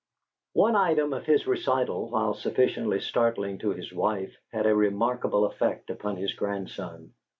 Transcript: One item of his recital, while sufficiently startling to his wife, had a remarkable effect upon his grandson.